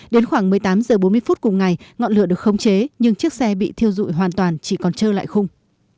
đến khoảng một mươi tám h bốn mươi phút cùng ngày ngọn lửa được khống chế nhưng chiếc xe bị thiêu dụi hoàn toàn chỉ còn trơ lại khung